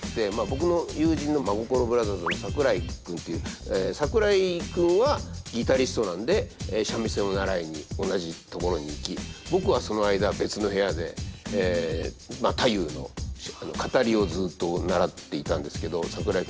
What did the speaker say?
僕の友人の真心ブラザーズの桜井君という桜井君はギタリストなんで三味線を習いに同じところに行き僕はその間別の部屋で太夫の語りをずっと習っていたんですけど桜井